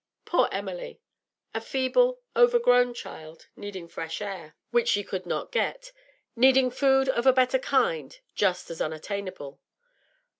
Poor Emily A feeble, overgrown child, needing fresh air, which she could not get, needing food of a better kind, just as unattainable.